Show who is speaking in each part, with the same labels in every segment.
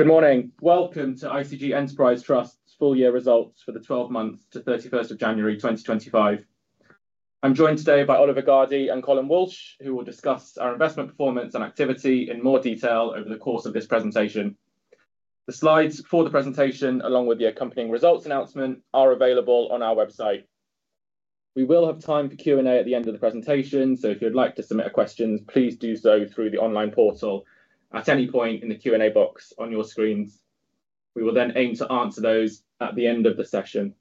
Speaker 1: Good morning. Welcome to ICG Enterprise Trust's Full-Year Results for the 12 months to 31st of January 2025. I'm joined today by Oliver Gardey and Colm Walsh, who will discuss our investment performance and activity in more detail over the course of this presentation. The slides for the presentation, along with the accompanying results announcement, are available on our website. We will have time for Q&A at the end of the presentation, so if you'd like to submit questions, please do so through the online portal at any point in the Q&A box on your screens. We will then aim to answer those at the end of the session.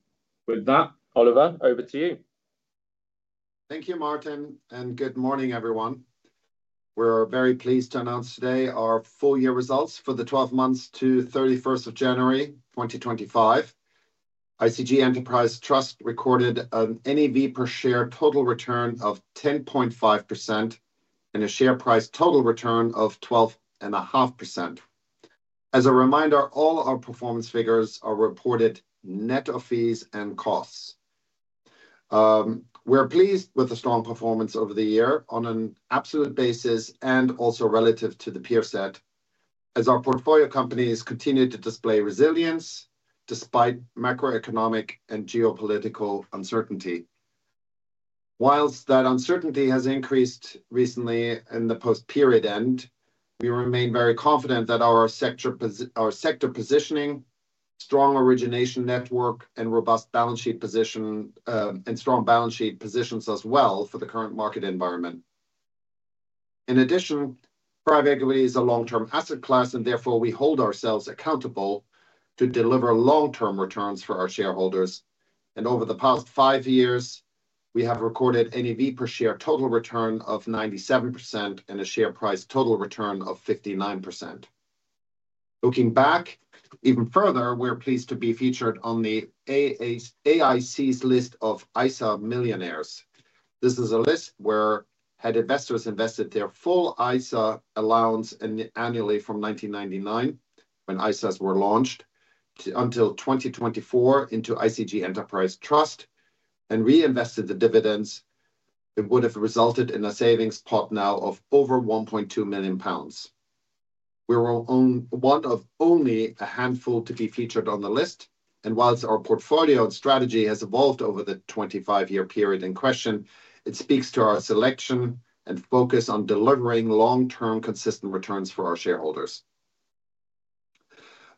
Speaker 1: With that, Oliver, over to you.
Speaker 2: Thank you, Martin, and good morning, everyone. We're very pleased to announce today our full-year results for the 12 months to 31st of January 2025. ICG Enterprise Trust recorded an NAV per Share Total Return of 10.5% and a Share Price Total Return of 12.5%. As a reminder, all our performance figures are reported net of fees and costs. We're pleased with the strong performance over the year on an absolute basis and also relative to the peer set, as our Portfolio companies continue to display resilience despite macroeconomic and geopolitical uncertainty. Whilst that uncertainty has increased recently in the post-period end, we remain very confident that our sector positioning, strong origination network, and robust balance sheet positions us well for the current market environment. In addition, private equity is a long-term asset class, and therefore we hold ourselves accountable to deliver long-term returns for our shareholders. Over the past five years, we have recorded NAV per Share Total Return of 97% and a Share Price Total Return of 59%. Looking back even further, we're pleased to be featured on the AIC's list of ISA millionaires. This is a list where investors invested their full ISA allowance annually from 1999 when ISAs were launched until 2024 into ICG Enterprise Trust and reinvested the dividends. It would have resulted in a savings pot now of over 1.2 million pounds. We were one of only a handful to be featured on the list, and whilst our Portfolio and strategy has evolved over the 25-year period in question, it speaks to our selection and focus on delivering long-term consistent returns for our shareholders.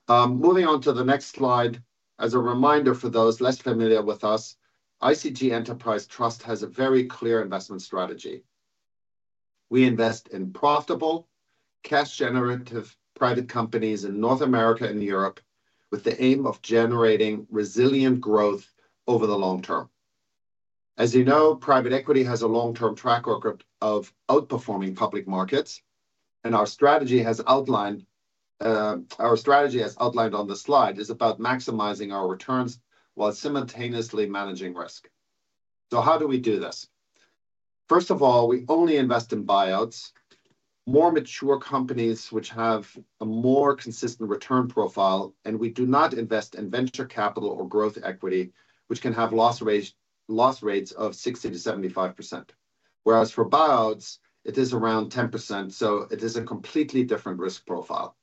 Speaker 2: Moving on to the next slide, as a reminder for those less familiar with us, ICG Enterprise Trust has a very clear investment strategy. We invest in profitable, cash-generative private companies in North America and Europe with the aim of generating resilient growth over the long term. As you know, private equity has a long-term track record of outperforming public markets, and our strategy as outlined on the slide is about maximizing our returns while simultaneously managing risk. How do we do this? First of all, we only invest in buyouts, more mature companies which have a more consistent return profile, and we do not invest in venture capital or growth equity, which can have loss rates of 60%-75%. Whereas for buyouts, it is around 10%, so it is a completely different risk profile.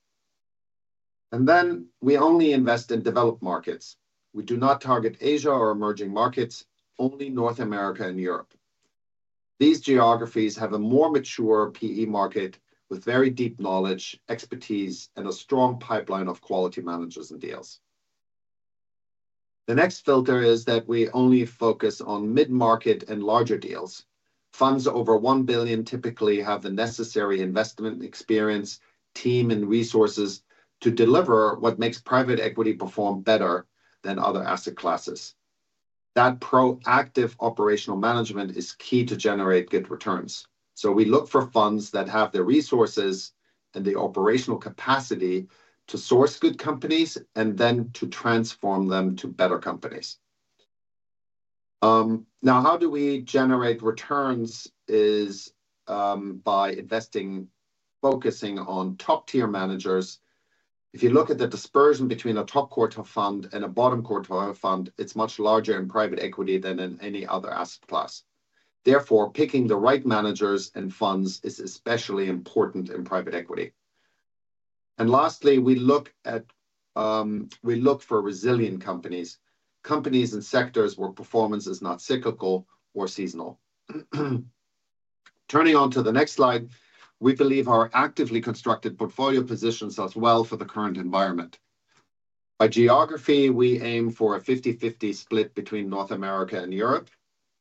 Speaker 2: We only invest in developed markets. We do not target Asia or emerging markets, only North America and Europe. These geographies have a more mature PE market with very deep knowledge, expertise, and a strong pipeline of quality managers and deals. The next filter is that we only focus on mid-market and larger deals. Funds over 1 billion typically have the necessary investment experience, team, and resources to deliver what makes private equity perform better than other asset classes. That proactive operational management is key to generate good returns. We look for funds that have the resources and the operational capacity to source good companies and then to transform them to better companies. Now, how do we generate returns? It is by investing, focusing on top-tier managers. If you look at the dispersion between a top quarter fund and a bottom quarter fund, it's much larger in private equity than in any other asset class. Therefore, picking the right managers and funds is especially important in private equity. Lastly, we look for resilient companies, companies and sectors where performance is not cyclical or seasonal. Turning on to the next slide, we believe our actively constructed Portfolio positions us well for the current environment. By geography, we aim for a 50/50 split between North America and Europe,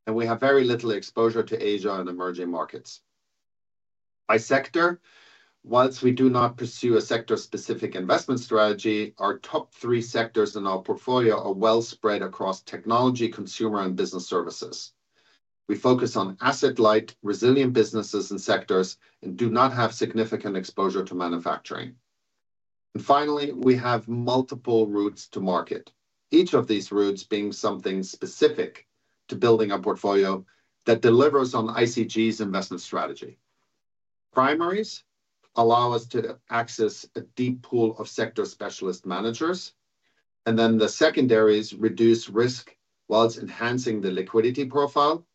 Speaker 2: and we have very little exposure to Asia and emerging markets. By sector, whilst we do not pursue a sector-specific investment strategy, our top three sectors in our Portfolio are well spread across technology, consumer, and business services. We focus on asset-light, resilient businesses and sectors and do not have significant exposure to manufacturing. Finally, we have multiple routes to market, each of these routes being something specific to building our Portfolio that delivers on ICG's investment strategy. Primaries allow us to access a deep pool of sector specialist managers, and then the secondaries reduce risk whilst enhancing the liquidity profile.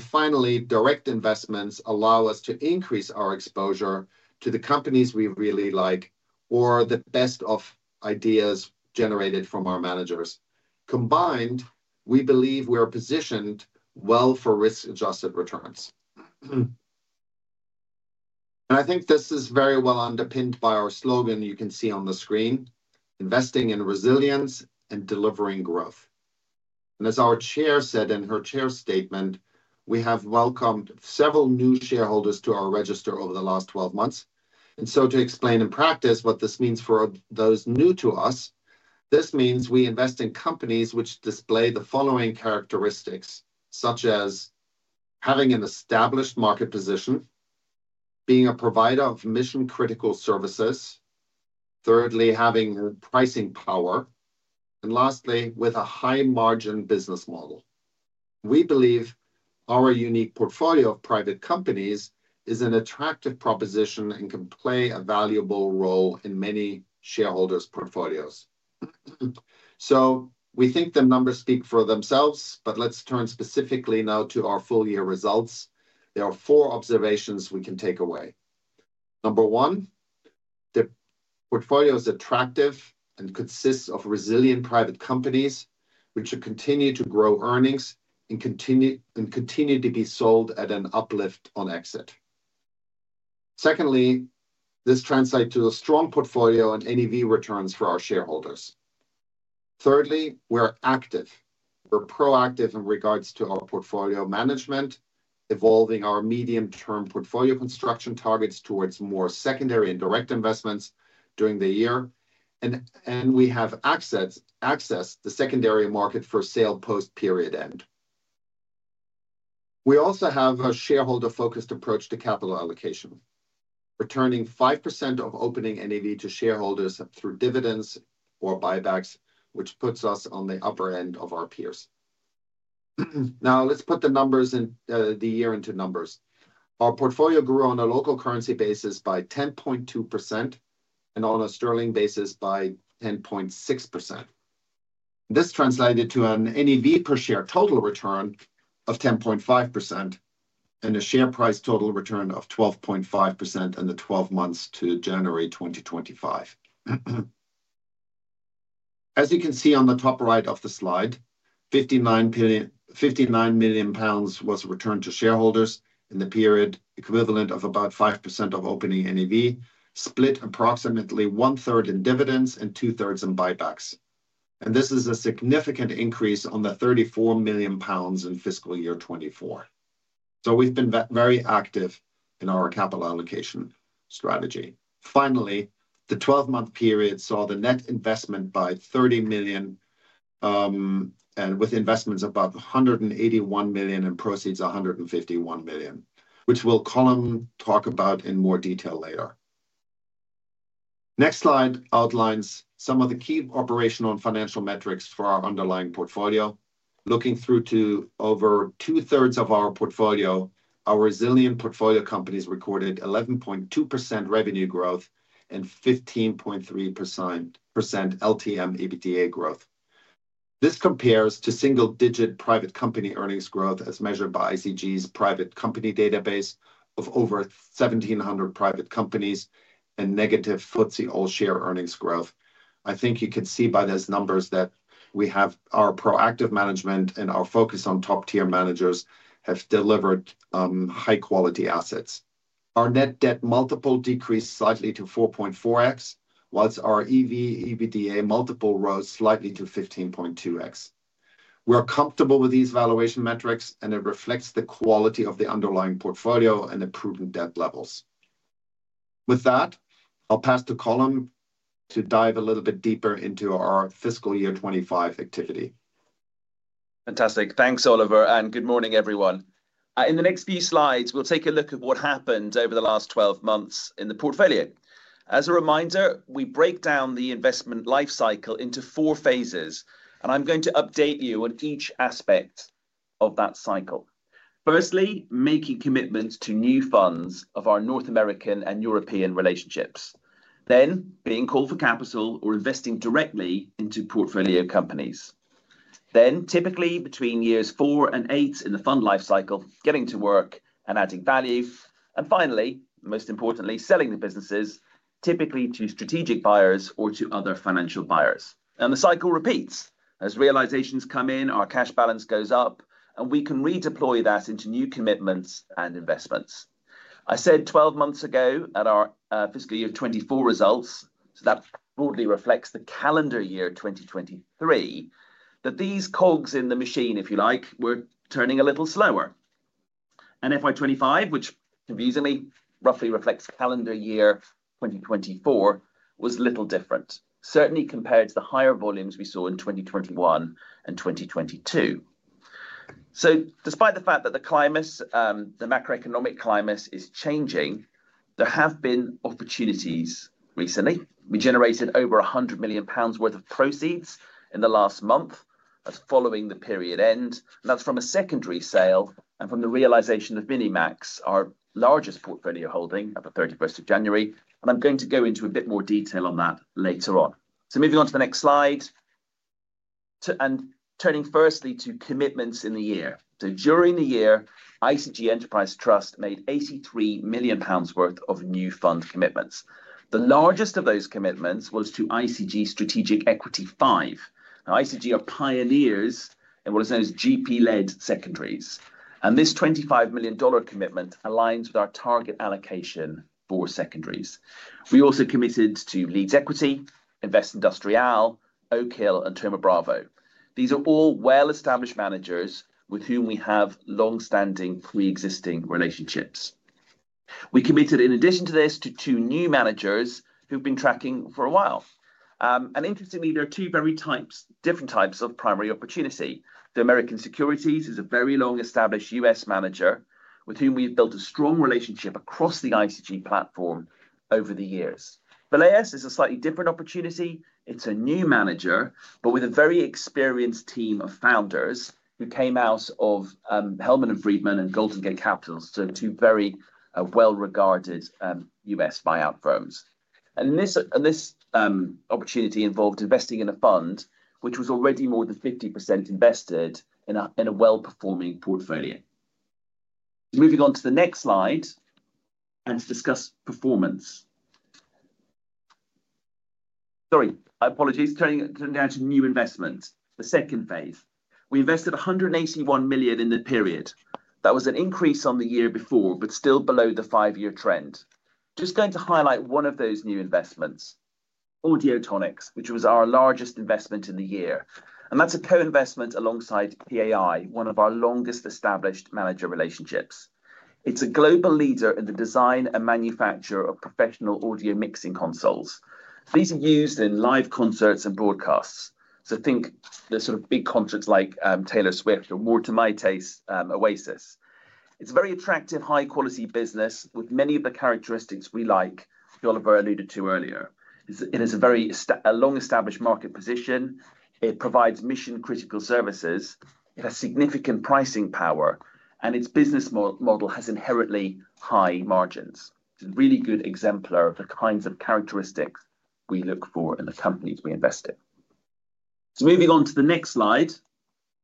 Speaker 2: Finally, Direct Investments allow us to increase our exposure to the companies we really like or the best of ideas generated from our managers. Combined, we believe we are positioned well for risk-adjusted returns. I think this is very well underpinned by our slogan you can see on the screen, investing in resilience and delivering growth. As our Chair said in her Chair statement, we have welcomed several new shareholders to our register over the last 12 months. To explain in practice what this means for those new to us, this means we invest in companies which display the following characteristics, such as having an established market position, being a provider of mission-critical services, thirdly, having pricing power, and lastly, with a high-margin business model. We believe our unique Portfolio of private companies is an attractive proposition and can play a valuable role in many shareholders' portfolios. We think the numbers speak for themselves, but let's turn specifically now to our full-year results. There are four observations we can take away. Number one, the Portfolio is attractive and consists of resilient private companies which should continue to grow earnings and continue to be sold at an uplift on exit. Secondly, this translates to a strong Portfolio and NAV returns for our shareholders. Thirdly, we're active. We're proactive in regards to our Portfolio management, evolving our medium-term Portfolio construction targets towards more secondary and Direct Investments during the year, and we have accessed the secondary market for sale post-period end. We also have a shareholder-focused approach to capital allocation, returning 5% of opening NAV to shareholders through dividends or buybacks, which puts us on the upper end of our peers. Now, let's put the numbers in the year into numbers. Our Portfolio grew on a local currency basis by 10.2% and on a sterling basis by 10.6%. This translated to an NAV per Share Total Return of 10.5% and a Share Price Total Return of 12.5% in the 12 months to January 2025. As you can see on the top right of the slide, 59 million pounds was returned to shareholders in the period, equivalent to about 5% of opening NAV, split approximately one-third in dividends and 2/3 in buybacks. This is a significant increase on the 34 million pounds in fiscal year 2024. We have been very active in our capital allocation strategy. Finally, the 12-month period saw the net investment by 30 million, with investments about 181 million and proceeds 151 million, which Colm will talk about in more detail later. The next slide outlines some of the key operational and financial metrics for our underlying Portfolio. Looking through to over 2/3 of our Portfolio, our resilient Portfolio companies recorded 11.2% revenue growth and 15.3% LTM/EBITDA growth. This compares to single-digit private company earnings growth as measured by ICG's private company database of over 1,700 private companies and negative FTSE All-Share earnings growth. I think you can see by those numbers that we have our proactive management and our focus on top-tier managers have delivered high-quality assets. Our Net Debt multiple decreased slightly to 4.4x, whilst our EV/EBITDA multiple rose slightly to 15.2x. We're comfortable with these valuation metrics, and it reflects the quality of the underlying Portfolio and the prudent debt levels. With that, I'll pass to Colm to dive a little bit deeper into our fiscal year 2025 activity.
Speaker 3: Fantastic. Thanks, Oliver, and good morning, everyone. In the next few slides, we'll take a look at what happened over the last 12 months in the Portfolio. As a reminder, we break down the investment life cycle into four phases, and I'm going to update you on each aspect of that cycle. Firstly, making commitments to new funds of our North American and European relationships. Then, being called for capital or investing directly into Portfolio companies. Typically between years four and eight in the fund life cycle, getting to work and adding value. Finally, most importantly, selling the businesses, typically to strategic buyers or to other financial buyers. The cycle repeats as realizations come in, our cash balance goes up, and we can redeploy that into new commitments and investments. I said 12 months ago at our fiscal year 2024 results, so that broadly reflects the calendar year 2023, that these cogs in the machine, if you like, were turning a little slower. FY2025, which confusingly roughly reflects calendar year 2024, was a little different, certainly compared to the higher volumes we saw in 2021 and 2022. Despite the fact that the climate, the macroeconomic climate, is changing, there have been opportunities recently. We generated over 100 million pounds worth of proceeds in the last month following the period end, and that is from a secondary sale and from the realization of Minimax, our largest Portfolio holding at the 31st of January. I am going to go into a bit more detail on that later on. Moving on to the next slide and turning firstly to commitments in the year. During the year, ICG Enterprise Trust made 83 million pounds worth of new fund commitments. The largest of those commitments was to ICG Strategic Equity V. ICG are pioneers in what is known as GP-led secondaries. This $25 million Commitment aligns with our target allocation for secondaries. We also committed to Leeds Equity, Investindustrial, Oak Hill, and Thoma Bravo. These are all well-established managers with whom we have long-standing pre-existing relationships. We committed, in addition to this, to two new managers we've been tracking for a while. Interestingly, there are two very different types of primary opportunity. American Securities is a very long-established U.S. manager with whom we've built a strong relationship across the ICG platform over the years. Valeas is a slightly different opportunity. It's a new manager, but with a very experienced team of founders who came out of Hellman & Friedman and Golden Gate Capital, so two very well-regarded U.S. buyout firms. This opportunity involved investing in a fund which was already more than 50% invested in a well-performing Portfolio. Moving on to the next slide and to discuss performance. Sorry, apologies, turning down to new investments, the second phase. We invested 181 million in the period. That was an increase on the year before, but still below the five-year trend. Just going to highlight one of those new investments, Audiotonix, which was our largest investment in the year. That's a Co-Investment alongside PAI, one of our longest established manager relationships. It's a global leader in the design and manufacture of professional audio mixing consoles. These are used in live concerts and broadcasts. Think the sort of big concerts like Taylor Swift or, more to my taste, Oasis. It is a very attractive, high-quality business with many of the characteristics we like, which Oliver alluded to earlier. It is a very long-established market position. It provides mission-critical services. It has significant pricing power, and its business model has inherently high margins. It is a really good exemplar of the kinds of characteristics we look for in the companies we invest in. Moving on to the next slide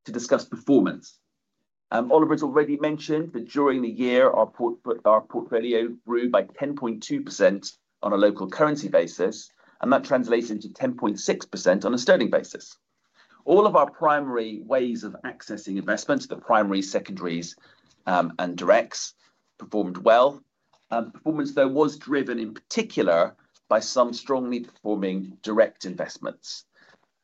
Speaker 3: to discuss performance. Oliver has already mentioned that during the year, our Portfolio grew by 10.2% on a local currency basis, and that translates into 10.6% on a sterling basis. All of our primary ways of accessing investments, the primary, secondaries, and directs, performed well. Performance, though, was driven in particular by some strongly performing Direct Investments.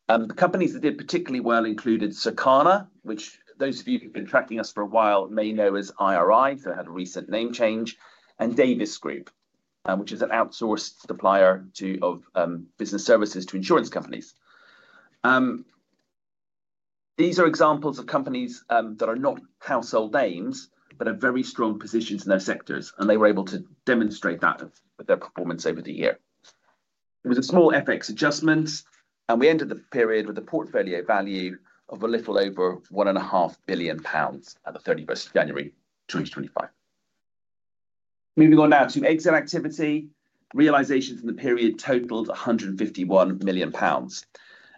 Speaker 3: The companies that did particularly well included Circana, which those of you who've been tracking us for a while may know as IRI, so it had a recent name change, and Davies Group, which is an outsourced supplier of business services to insurance companies. These are examples of companies that are not household names, but have very strong positions in their sectors, and they were able to demonstrate that with their performance over the year. There was a small FX adjustment, and we ended the period with a Portfolio value of a little over 1.5 billion pounds at the 31st of January 2025. Moving on now to exit activity, realizations in the period totaled 151 million pounds.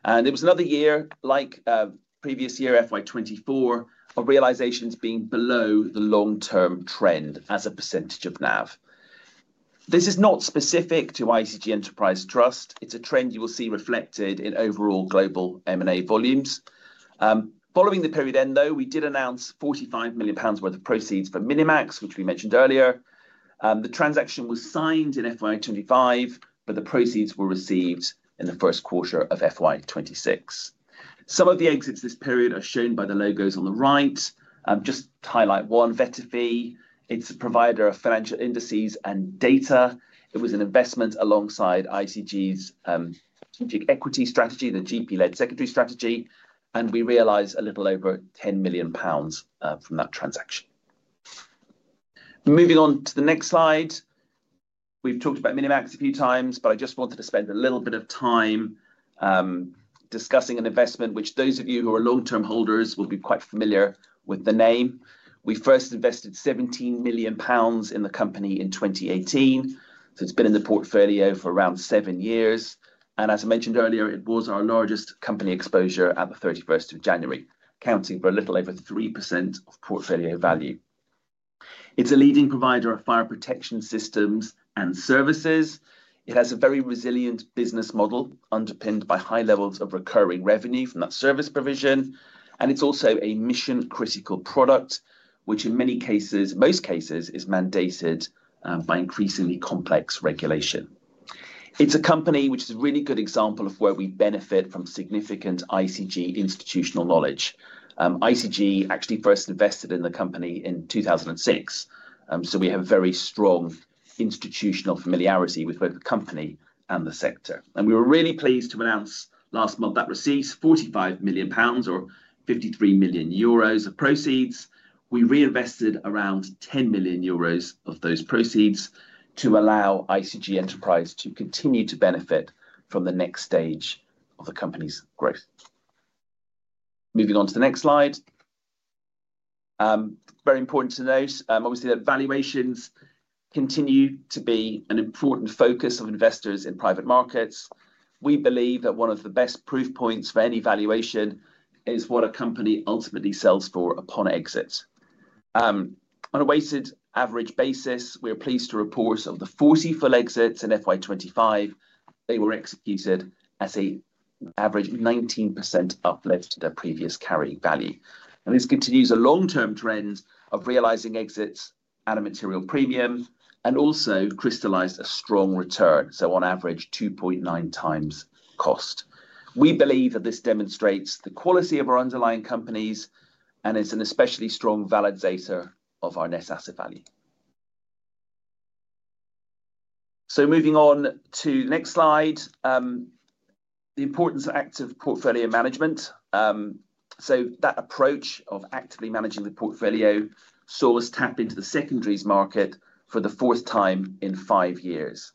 Speaker 3: It was another year, like previous year, FY2024, of realizations being below the long-term trend as a percentage of NAV. This is not specific to ICG Enterprise Trust. It's a trend you will see reflected in overall global M&A volumes. Following the period end, though, we did announce 45 million pounds worth of proceeds for Minimax, which we mentioned earlier. The transaction was signed in FY 2025, but the proceeds were received in the first quarter of FY 2026. Some of the exits this period are shown by the logos on the right. Just to highlight one, VettaFi. It's a provider of financial indices and data. It was an investment alongside ICG's strategic equity strategy, the GP-led secondary strategy, and we realized a little over 10 million pounds from that transaction. Moving on to the next slide. We've talked about Minimax a few times, but I just wanted to spend a little bit of time discussing an investment which those of you who are long-term holders will be quite familiar with the name. We first invested 17 million pounds in the company in 2018, so it's been in the Portfolio for around seven years. As I mentioned earlier, it was our largest company exposure at the 31st of January, accounting for a little over 3% of Portfolio value. It's a leading provider of fire protection systems and services. It has a very resilient business model underpinned by high levels of recurring revenue from that service provision. It's also a mission-critical product, which in many cases, most cases, is mandated by increasingly complex regulation. It's a company which is a really good example of where we benefit from significant ICG institutional knowledge. ICG actually first invested in the company in 2006, so we have a very strong institutional familiarity with both the company and the sector. We were really pleased to announce last month that receipts, 45 million pounds or 53 million euros of proceeds. We reinvested around 10 million euros of those proceeds to allow ICG Enterprise to continue to benefit from the next stage of the company's growth. Moving on to the next slide. Very important to note, obviously, that valuations continue to be an important focus of investors in private markets. We believe that one of the best proof points for any valuation is what a company ultimately sells for upon exits. On a weighted average basis, we are pleased to report of the 40 Full Exits in FY2025, they were executed at an average 19% uplift to their previous carrying value. This continues a long-term trend of realizing exits at a material premium and also crystallized a strong return, so on average, 2.9x cost. We believe that this demonstrates the quality of our underlying companies and is an especially strong validator of our Net Asset Value. Moving on to the next slide, the importance of active Portfolio management. That approach of actively managing the Portfolio saw us tap into the secondaries market for the fourth time in five years.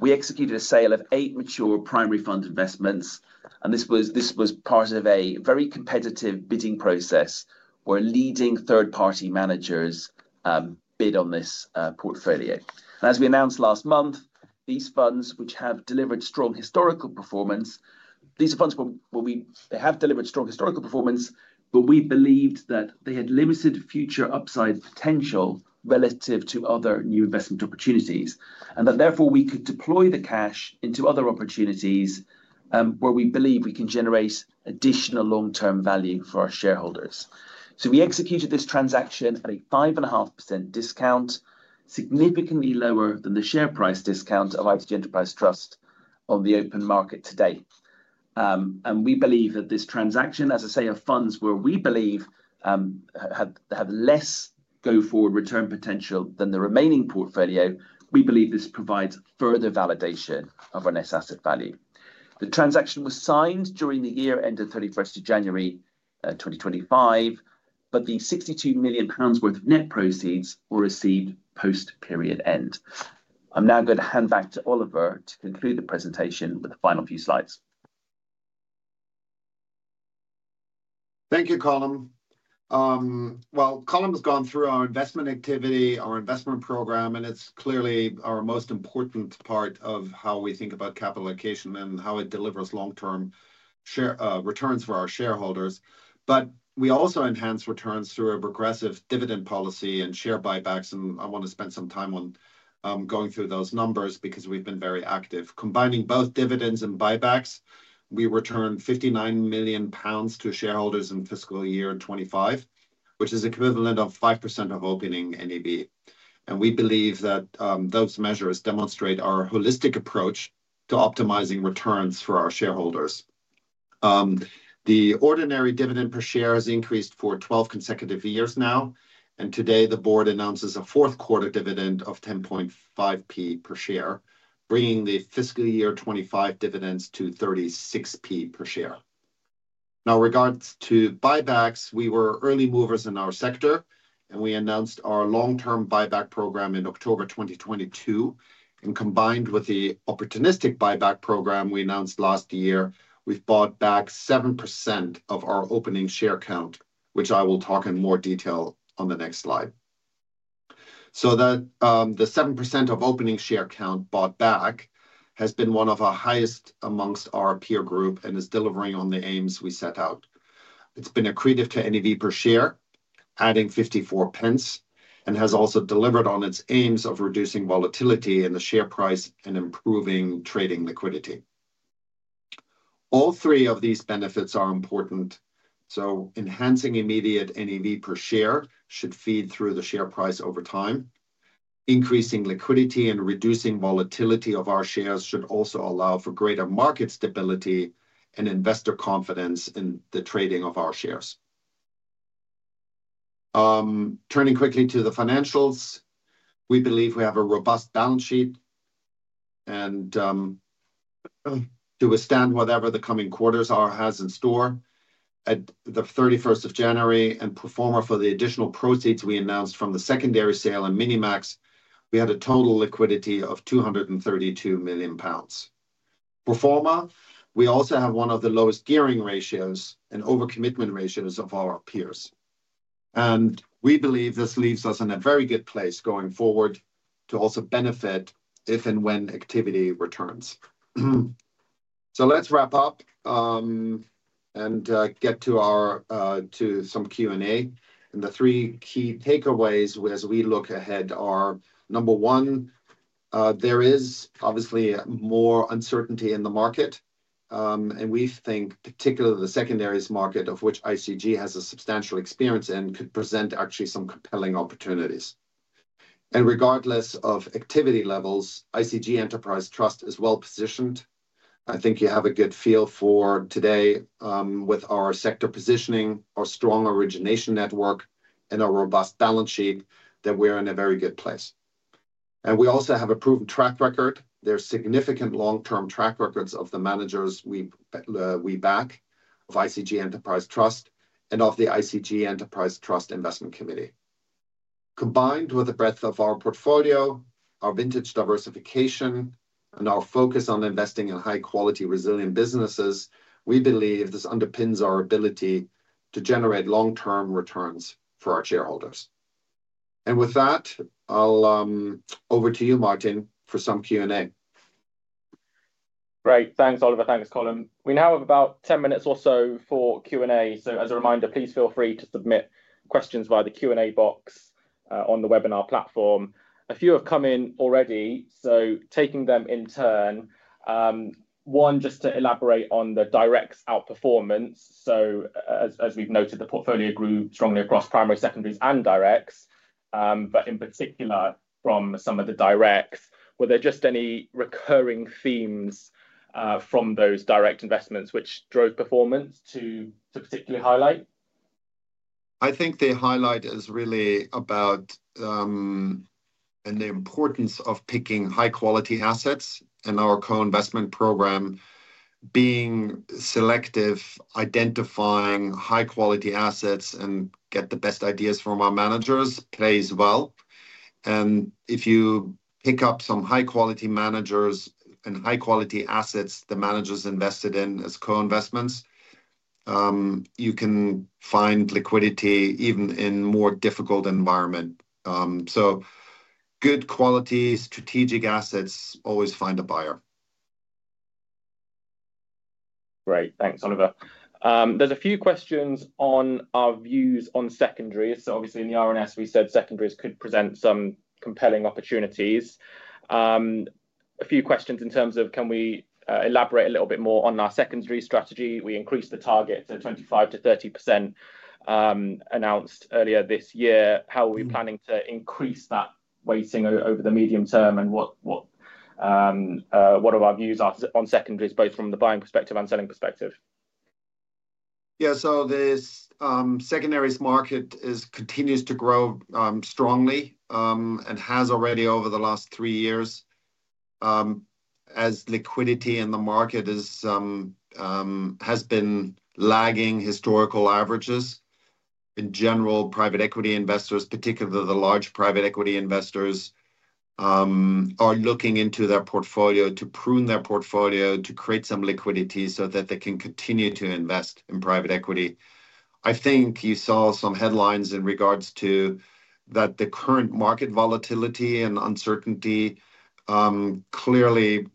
Speaker 3: We executed a sale of eight mature primary fund investments, and this was part of a very competitive bidding process where leading third-party managers bid on this Portfolio. As we announced last month, these funds, which have delivered strong historical performance, are funds where they have delivered strong historical performance, but we believed that they had limited future upside potential relative to other new investment opportunities and that therefore we could deploy the cash into other opportunities where we believe we can generate additional long-term value for our shareholders. We executed this transaction at a 5.5% Discount, significantly lower than the share price Discount of ICG Enterprise Trust on the open market today. We believe that this transaction, as I say, of funds where we believe have less go forward return potential than the remaining Portfolio, provides further validation of our Net Asset Value. The transaction was signed during the year end of 31st January 2025, but the 62 million pounds worth of net proceeds were received post-period end. I am now going to hand back to Oliver to conclude the presentation with the final few slides.
Speaker 2: Thank you, Colm. Colm has gone through our investment activity, our investment program, and it is clearly our most important part of how we think about capital allocation and how it delivers long-term returns for our shareholders. We also enhance returns through a progressive dividend policy and Share buybacks. I want to spend some time on going through those numbers because we have been very active. Combining both dividends and buybacks, we returned 59 million pounds to shareholders in fiscal year 2025, which is equivalent of 5% of opening NAV. We believe that those measures demonstrate our holistic approach to optimizing returns for our shareholders. The ordinary dividend per share has increased for 12 consecutive years now, and today the Board announces a fourth quarter dividend of 0.105 per share, bringing the fiscal year 2025 dividends to 0.36 per share. Now, in regards to buybacks, we were early movers in our sector, and we announced our long-term buyback program in October 2022. Combined with the opportunistic buyback program we announced last year, we have bought back 7% of our opening share count, which I will talk in more detail on the next slide. The 7% of opening share count bought back has been one of our highest amongst our peer group and is delivering on the aims we set out. It has been accretive to NAV per Share, adding 0.54, and has also delivered on its aims of reducing volatility in the share price and improving trading liquidity. All three of these benefits are important. Enhancing immediate NAV per Share should feed through the share price over time. Increasing liquidity and reducing volatility of our shares should also allow for greater market stability and investor confidence in the trading of our shares. Turning quickly to the financials, we believe we have a robust balance sheet and to withstand whatever the coming quarters have in store. At the 31st of January and pro forma for the additional proceeds we announced from the secondary sale in Minimax, we had a total liquidity of 232 million pounds. Pro forma, we also have one of the lowest gearing ratios and Overcommitment ratios of our peers. We believe this leaves us in a very good place going forward to also benefit if and when activity returns. Let's wrap up and get to some Q&A. The three key takeaways as we look ahead are, number one, there is obviously more uncertainty in the market, and we think particularly the secondaries market, of which ICG has substantial experience in, could present actually some compelling opportunities. Regardless of activity levels, ICG Enterprise Trust is well positioned. I think you have a good feel for today with our sector positioning, our strong origination network, and our robust balance sheet that we're in a very good place. We also have a proven track record. There are significant long-term track records of the managers we back, of ICG Enterprise Trust, and of the ICG Enterprise Trust Investment Committee. Combined with the breadth of our Portfolio, our vintage diversification, and our focus on investing in high-quality, resilient businesses, we believe this underpins our ability to generate long-term returns for our shareholders. With that, I'll over to you, Martin, for some Q&A.
Speaker 1: Great. Thanks, Oliver. Thanks, Colm. We now have about 10 minutes or so for Q&A. As a reminder, please feel free to submit questions via the Q&A box on the webinar platform. A few have come in already, taking them in turn. One, just to elaborate on the directs outperformance. As we have noted, the Portfolio grew strongly across primary, secondaries, and directs, but in particular from some of the directs. Were there just any recurring themes from those Direct Investments which drove performance to particularly highlight?
Speaker 2: I think the highlight is really about the importance of picking high-quality assets and our Co-Investment program being selective, identifying high-quality assets and getting the best ideas from our managers plays well. If you pick up some high-quality managers and high-quality assets the managers invested in as Co-Investments, you can find liquidity even in a more difficult environment. Good quality, strategic assets always find a buyer.
Speaker 1: Great. Thanks, Oliver. There are a few questions on our views on secondaries. Obviously, in the R&S, we said secondaries could present some compelling opportunities. A few questions in terms of, can we elaborate a little bit more on our secondary strategy? We increased the target to 25%-30% announced earlier this year. How are we planning to increase that weighting over the medium term and what are our views on secondaries, both from the buying perspective and selling perspective?
Speaker 2: Yeah. The secondaries market continues to grow strongly and has already over the last three years as liquidity in the market has been lagging historical averages. In general, private equity investors, particularly the large private equity investors, are looking into their portfolio to prune their portfolio to create some liquidity so that they can continue to invest in private equity. I think you saw some headlines in regards to that the current market volatility and uncertainty clearly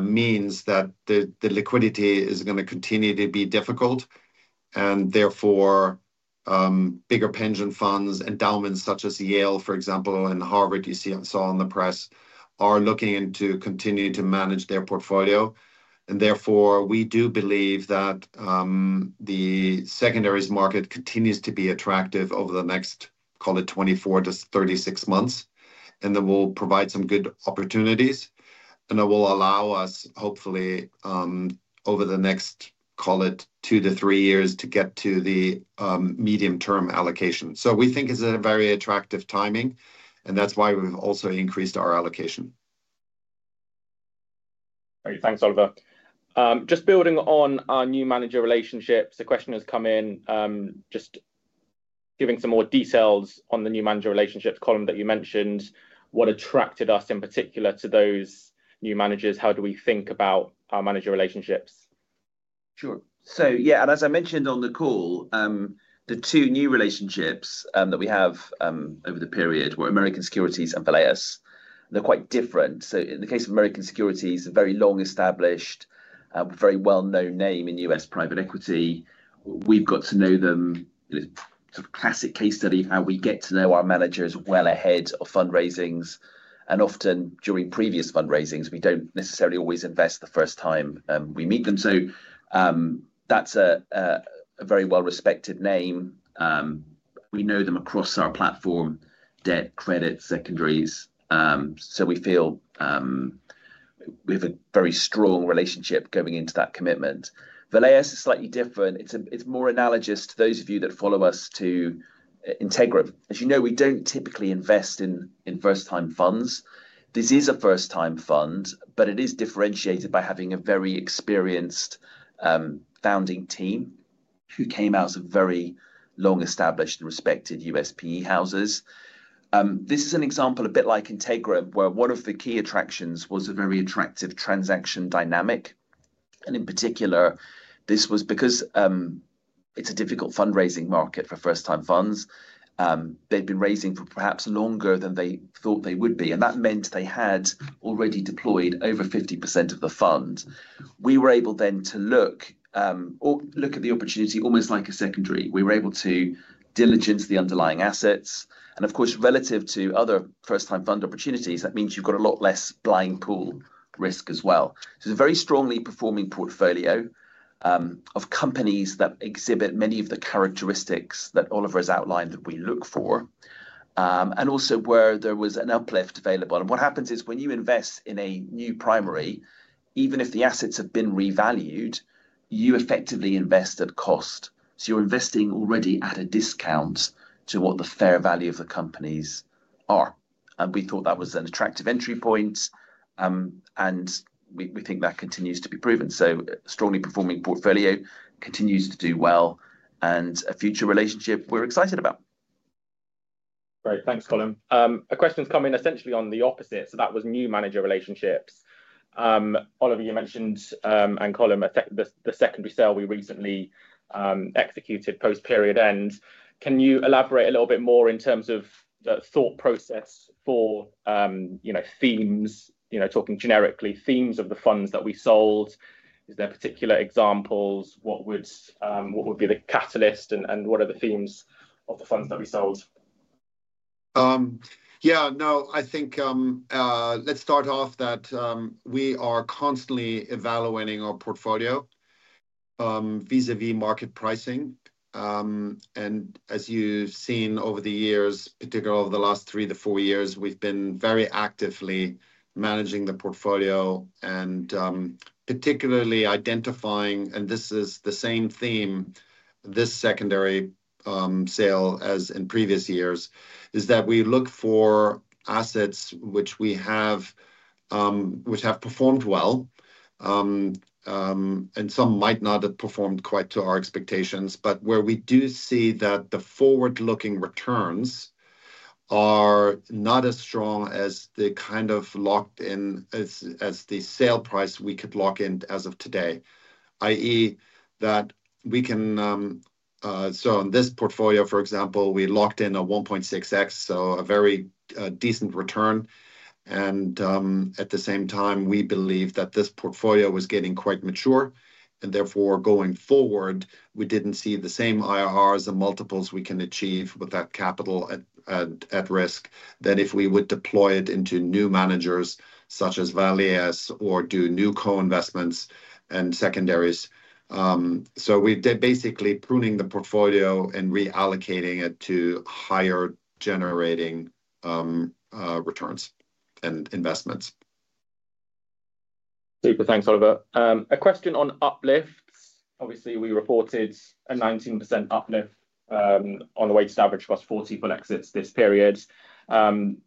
Speaker 2: means that the liquidity is going to continue to be difficult. Therefore, bigger pension funds, endowments such as Yale, for example, and Harvard, you saw in the press, are looking into continuing to manage their portfolio. Therefore, we do believe that the secondaries market continues to be attractive over the next, call it, 24-36 months, and that will provide some good opportunities and that will allow us, hopefully, over the next, call it, two to three years to get to the medium-term allocation. We think it is a very attractive timing, and that is why we have also increased our allocation.
Speaker 1: Great. Thanks, Oliver. Just building on our new manager relationships, a question has come in just giving some more details on the new manager relationships column that you mentioned. What attracted us in particular to those new managers? How do we think about our manager relationships?
Speaker 3: Sure. Yeah, as I mentioned on the call, the two new relationships that we have over the period were American Securities and Valeas. They're quite different. In the case of American Securities, a very long-established, very well-known name in U.S. private equity. We've got to know them. It's a classic case study of how we get to know our managers well ahead of fundraisings. Often during previous fundraisings, we do not necessarily always invest the first time we meet them. That's a very well-respected name. We know them across our platform, debt, credit, secondaries. We feel we have a very strong relationship going into that Commitment. Valeas is slightly different. It's more analogous to those of you that follow us to Integra. As you know, we do not typically invest in first-time funds. This is a first-time fund, but it is differentiated by having a very experienced founding team who came out of very long-established and respected USPE houses. This is an example a bit like Integra, where one of the key attractions was a very attractive transaction dynamic. In particular, this was because it is a difficult fundraising market for first-time funds. They had been raising for perhaps longer than they thought they would be. That meant they had already deployed over 50% of the fund. We were able then to look at the opportunity almost like a secondary. We were able to diligence the underlying assets. Of course, relative to other first-time fund opportunities, that means you have got a lot less blind pool risk as well. It is a very strongly performing Portfolio of companies that exhibit many of the characteristics that Oliver has outlined that we look for and also where there was an uplift available. What happens is when you invest in a new primary, even if the assets have been revalued, you effectively invest at cost. You are investing already at a Discount to what the fair value of the companies are. We thought that was an attractive entry point, and we think that continues to be proven. A strongly performing Portfolio continues to do well and a future relationship we are excited about.
Speaker 1: Great. Thanks, Colm. A question's come in essentially on the opposite. That was new manager relationships. Oliver, you mentioned and Colm, the secondary sale we recently executed post-period end. Can you elaborate a little bit more in terms of the thought process for themes, talking generically, themes of the funds that we sold? Are there particular examples? What would be the catalyst and what are the themes of the funds that we sold?
Speaker 2: Yeah. No, I think let's start off that we are constantly evaluating our Portfolio vis-à-vis market pricing. As you've seen over the years, particularly over the last three to four years, we've been very actively managing the Portfolio and particularly identifying, and this is the same theme this secondary sale as in previous years, is that we look for assets which have performed well. Some might not have performed quite to our expectations, but where we do see that the forward-looking returns are not as strong as the kind of locked-in as the sale price we could lock in as of today, i.e., that we can. In this Portfolio, for example, we locked in a 1.6x, so a very decent return. At the same time, we believe that this Portfolio was getting quite mature. Therefore, going forward, we did not see the same IRRs and multiples we can achieve with that capital at risk than if we would deploy it into new managers such as Valeas or do new Co-Investments and secondaries. We are basically pruning the Portfolio and reallocating it to higher-generating returns and investments.
Speaker 1: Super. Thanks, Oliver. A question on uplifts. Obviously, we reported a 19% uplift on the weighted average across 40 Full Exits this period. That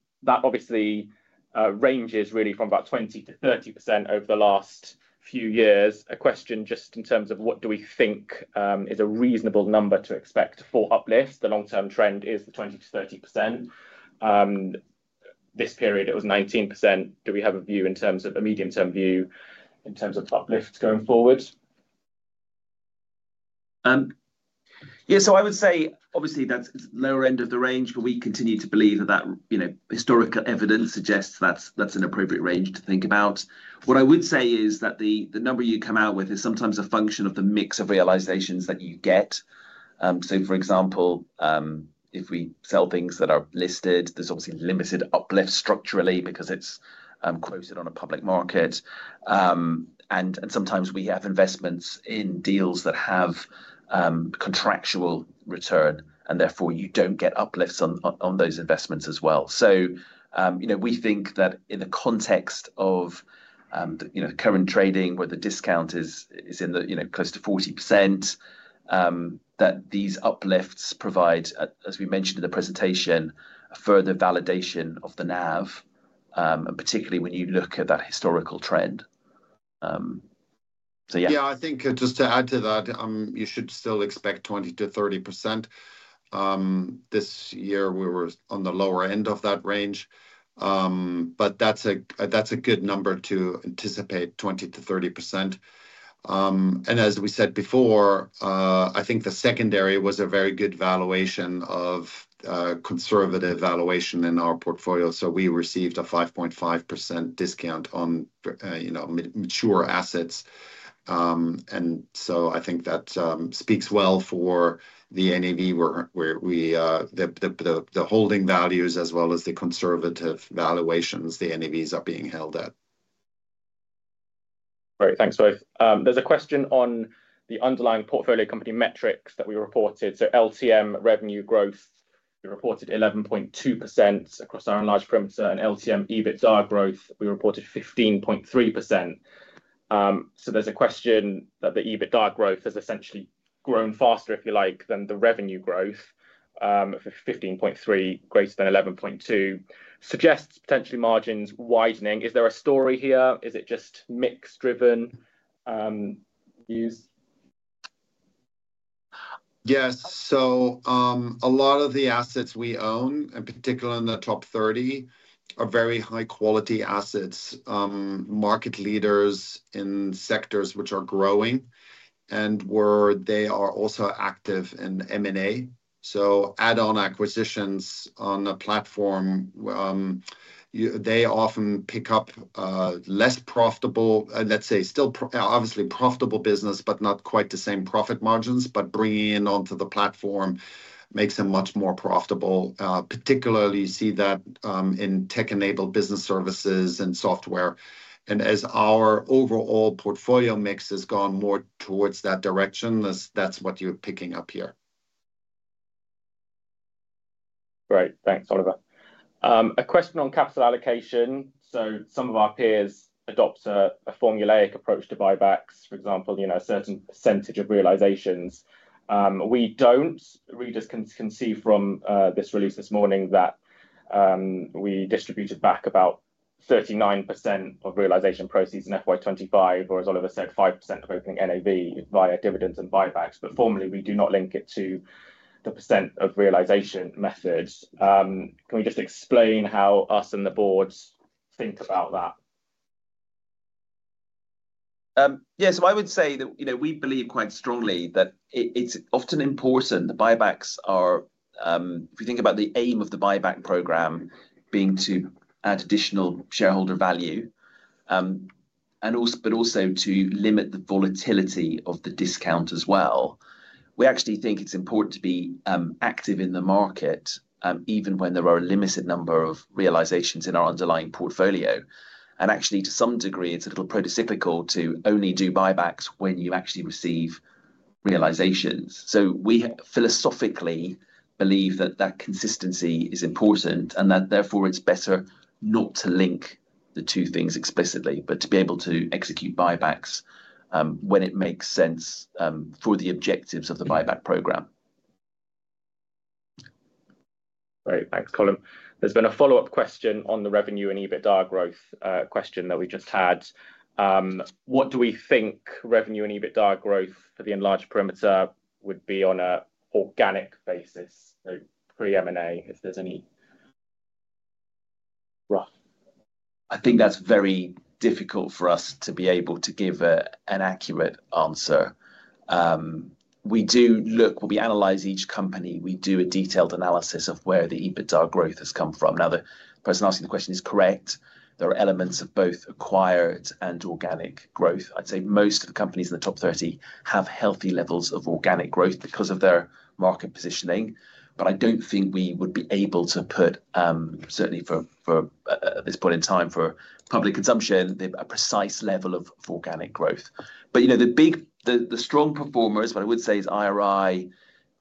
Speaker 1: obviously ranges really from about 20%-30% over the last few years. A question just in terms of what do we think is a reasonable number to expect for uplift. The long-term trend is the 20%-30%. This period, it was 19%. Do we have a view in terms of a medium-term view in terms of uplift going forward?
Speaker 3: Yeah. I would say, obviously, that's the lower end of the range, but we continue to believe that historical evidence suggests that's an appropriate range to think about. What I would say is that the number you come out with is sometimes a function of the mix of realizations that you get. For example, if we sell things that are listed, there's obviously limited uplift structurally because it's quoted on a public market. Sometimes we have investments in deals that have contractual return, and therefore, you do not get uplifts on those investments as well. We think that in the context of current trading, where the Discount is close to 40%, these uplifts provide, as we mentioned in the presentation, further validation of the NAV, particularly when you look at that historical trend. Yeah.
Speaker 2: Yeah. I think just to add to that, you should still expect 20%-30%. This year, we were on the lower end of that range, but that's a good number to anticipate, 20%-30%. As we said before, I think the secondary was a very good valuation, a conservative valuation in our Portfolio. We received a 5.5% Discount on mature assets. I think that speaks well for the NAV, the holding values, as well as the conservative valuations the NAVs are being held at.
Speaker 1: Great. Thanks, both. There's a question on the underlying Portfolio Company metrics that we reported. LTM revenue growth, we reported 11.2% across our enlarged premise. LTM EBITDA growth, we reported 15.3%. There's a question that the EBITDA growth has essentially grown faster, if you like, than the revenue growth of 15.3%, greater than 11.2%, suggests potentially margins widening. Is there a story here? Is it just mix-driven views?
Speaker 2: Yes. A lot of the assets we own, in particular in the top 30, are very high-quality assets, market leaders in sectors which are growing, and where they are also active in M&A. Add-on acquisitions on the platform, they often pick up less profitable, let's say, still obviously profitable business, but not quite the same profit margins. Bringing it onto the platform makes them much more profitable. Particularly, you see that in tech-enabled business services and software. As our overall Portfolio mix has gone more towards that direction, that's what you're picking up here.
Speaker 1: Great. Thanks, Oliver. A question on capital allocation. Some of our peers adopt a formulaic approach to buybacks, for example, a certain percentage of realizations. We do not. Readers can see from this release this morning that we distributed back about 39% of realization proceeds in FY2025, or as Oliver said, 5% of opening NAV via dividends and buybacks. Formally, we do not link it to the percet of realization methods. Can we just explain how us and the Board think about that?
Speaker 3: Yeah. I would say that we believe quite strongly that it's often important the buybacks are if you think about the aim of the buyback program being to add additional shareholder value, but also to limit the volatility of the Discount as well. We actually think it's important to be active in the market even when there are a limited number of realizations in our underlying Portfolio. Actually, to some degree, it's a little prototypical to only do buybacks when you actually receive realizations. We philosophically believe that that consistency is important and that therefore it's better not to link the two things explicitly, but to be able to execute buybacks when it makes sense for the objectives of the buyback program.
Speaker 1: Great. Thanks, Colm. There's been a follow-up question on the revenue and EBITDA growth question that we just had. What do we think revenue and EBITDA growth for the Enlarged Perimeter would be on an organic basis, pre-M&A, if there's any?
Speaker 3: I think that's very difficult for us to be able to give an accurate answer. We do look, when we analyze each company, we do a detailed analysis of where the EBITDA growth has come from. Now, the person asking the question is correct. There are elements of both acquired and organic growth. I'd say most of the companies in the top 30 have healthy levels of organic growth because of their market positioning. I don't think we would be able to put, certainly at this point in time, for public consumption, a precise level of organic growth. The strong performers, what I would say is IRI,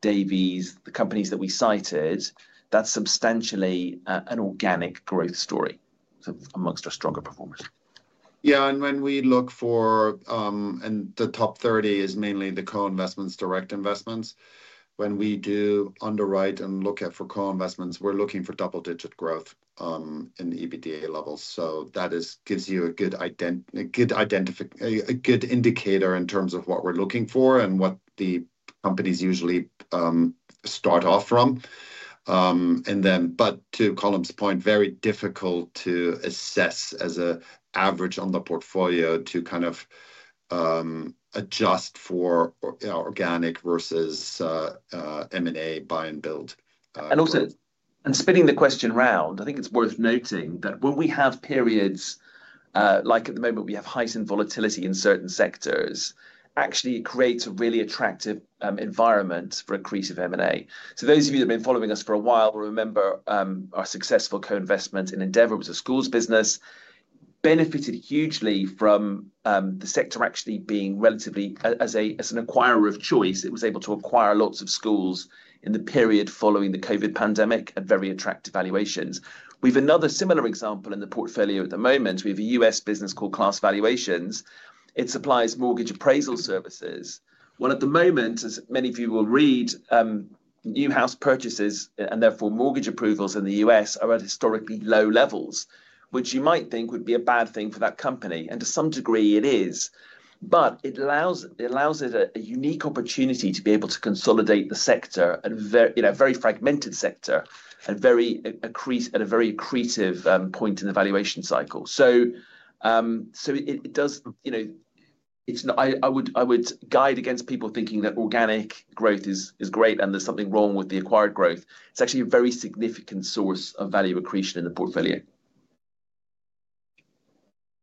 Speaker 3: Davies, the companies that we cited, that's substantially an organic growth story amongst our stronger performers.
Speaker 2: Yeah. When we look for, and the top 30 is mainly the Co-Investments, Direct Investments. When we do underwrite and look at for Co-Investments, we're looking for double-digit growth in EBITDA levels. That gives you a good indicator in terms of what we're looking for and what the companies usually start off from. To Colm's point, very difficult to assess as an average on the Portfolio to kind of adjust for organic versus M&A buy and build.
Speaker 3: Spinning the question around, I think it's worth noting that when we have periods like at the moment, we have heights in volatility in certain sectors, actually it creates a really attractive environment for accretive M&A. Those of you that have been following us for a while will remember our successful Co-Investment in Endeavor, which is a schools business, benefited hugely from the sector actually being relatively as an acquirer of choice. It was able to acquire lots of schools in the period following the COVID pandemic at very attractive valuations. We have another similar example in the Portfolio at the moment. We have a U.S. business called Class Valuations. It supplies mortgage appraisal services. At the moment, as many of you will read, new house purchases and therefore mortgage approvals in the U.S. are at historically low levels, which you might think would be a bad thing for that company. To some degree, it is. It allows it a unique opportunity to be able to consolidate the sector, a very fragmented sector, and at a very accretive point in the valuation cycle. I would guide against people thinking that organic growth is great and there is something wrong with the acquired growth. It is actually a very significant source of value accretion in the Portfolio.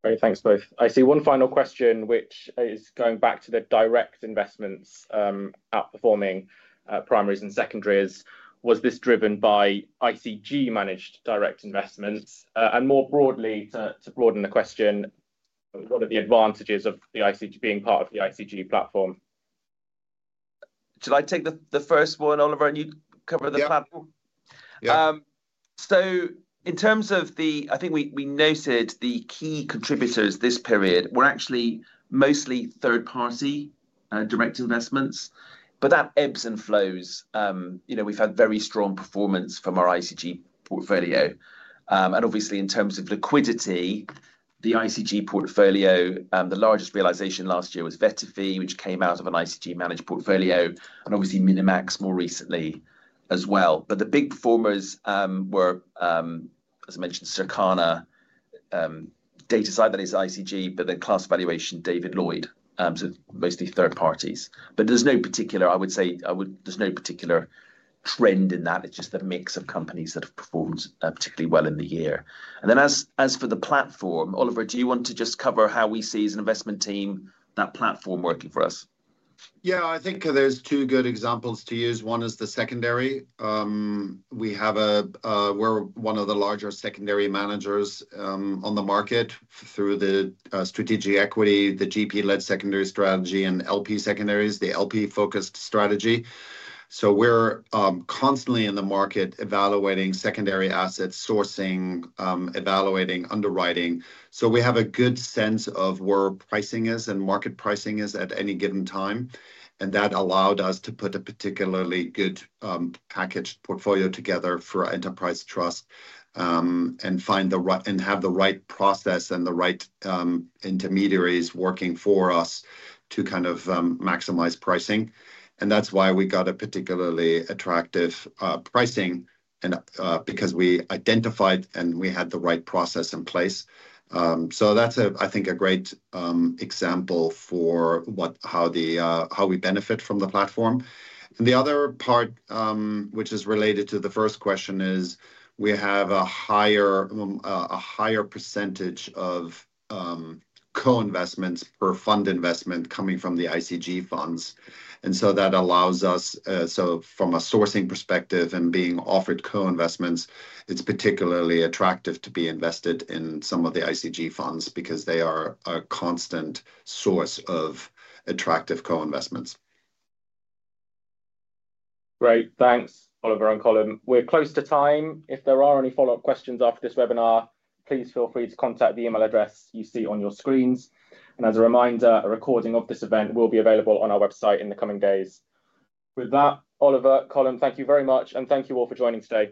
Speaker 1: Great. Thanks, both. I see one final question, which is going back to the Direct Investments outperforming primaries and secondaries. Was this driven by ICG-managed Direct Investments? More broadly, to broaden the question, what are the advantages of being part of the ICG platform?
Speaker 3: Shall I take the first one, Oliver, and you cover the platform?
Speaker 2: Yeah.
Speaker 3: In terms of the, I think we noted the key contributors this period were actually mostly third-party Direct Investments. That ebbs and flows. We've had very strong performance from our ICG Portfolio. Obviously, in terms of liquidity, the ICG Portfolio, the largest realization last year was VettaFi, which came out of an ICG-managed Portfolio, and Minimax more recently as well. The big performers were, as I mentioned, Circana, Datasite—that is ICG—but then Class Valuation, David Lloyd. Mostly third parties. There's no particular, I would say, there's no particular trend in that. It's just a mix of companies that have performed particularly well in the year. As for the platform, Oliver, do you want to just cover how we see as an investment team that platform working for us?
Speaker 2: Yeah. I think there's two good examples to use. One is the secondary. We're one of the larger secondary managers on the market through the strategic equity, the GP-led secondary strategy, and LP secondaries, the LP-focused strategy. We're constantly in the market evaluating secondary assets, sourcing, evaluating, underwriting. We have a good sense of where pricing is and market pricing is at any given time. That allowed us to put a particularly good packaged Portfolio together for Enterprise Trust and have the right process and the right intermediaries working for us to kind of maximize pricing. That's why we got a particularly attractive pricing because we identified and we had the right process in place. I think that's a great example for how we benefit from the platform. The other part, which is related to the first question, is we have a higher percentage of Co-Investments per fund investment coming from the ICG funds. That allows us, from a sourcing perspective and being offered Co-Investments, it's particularly attractive to be invested in some of the ICG funds because they are a constant source of attractive Co-Investments.
Speaker 1: Great. Thanks, Oliver and Colm. We're close to time. If there are any follow-up questions after this webinar, please feel free to contact the email address you see on your screens. As a reminder, a recording of this event will be available on our website in the coming days. With that, Oliver, Colm, thank you very much. Thank you all for joining today.